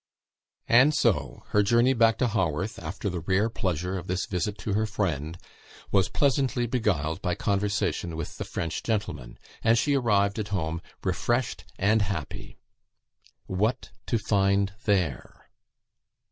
And so her journey back to Haworth, after the rare pleasure of this visit to her friend, was pleasantly beguiled by conversation with the French gentleman; and she arrived at home refreshed and happy. What to find there?